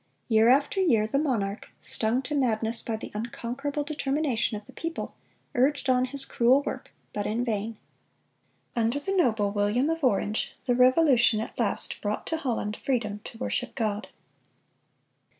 Year after year the monarch, stung to madness by the unconquerable determination of the people, urged on his cruel work; but in vain. Under the noble William of Orange, the Revolution at last brought to Holland freedom to worship God.